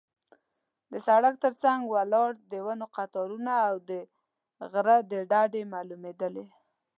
د سړک تر څنګ ولاړ د ونو قطارونه او د غره ډډې معلومېدلې.